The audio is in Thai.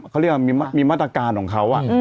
เขาเรียกว่ามีมาตรการของเขา